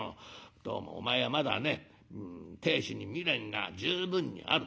どうもお前はまだね亭主に未練が十分にある。